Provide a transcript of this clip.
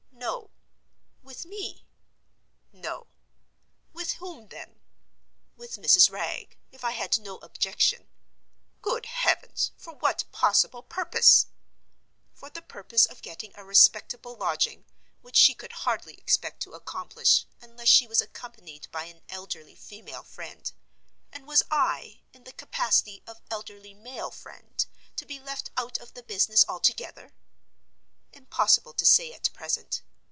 No. With me? No. With whom then? With Mrs. Wragge, if I had no objection. Good heavens! for what possible purpose? For the purpose of getting a respectable lodging, which she could hardly expect to accomplish unless she was accompanied by an elderly female friend. And was I, in the capacity of elderly male friend, to be left out of the business altogether? Impossible to say at present.